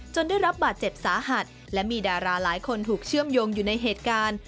ได้รับบาดเจ็บสาหัสและมีดาราหลายคนถูกเชื่อมโยงอยู่ในเหตุการณ์